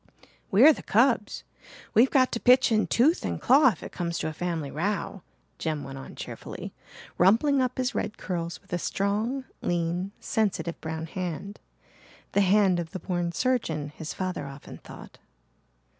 "We're the cubs we've got to pitch in tooth and claw if it comes to a family row," Jem went on cheerfully, rumpling up his red curls with a strong, lean, sensitive brown hand the hand of the born surgeon, his father often thought.